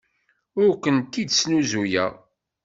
Ur kent-id-snuzuyeɣ.